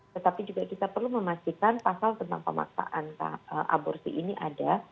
tetapi juga kita perlu memastikan pasal tentang pemaksaan aborsi ini ada